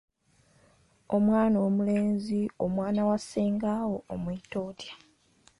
Omwana omulenzi ow’omwana wa ssenga wo omuyita otya?